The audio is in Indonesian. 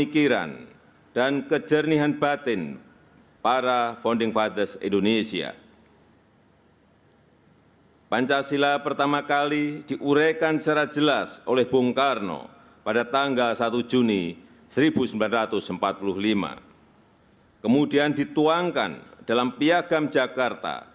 tanda kebesaran buka hormat senjata